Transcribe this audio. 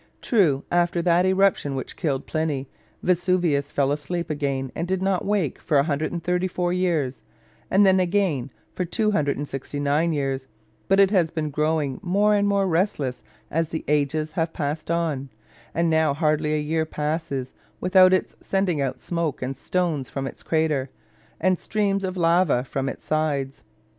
True, after that eruption which killed Pliny, Vesuvius fell asleep again, and did not awake for 134 years, and then again for 269 years but it has been growing more and more restless as the ages have passed on, and now hardly a year passes without its sending out smoke and stones from its crater, and streams of lava from its sides.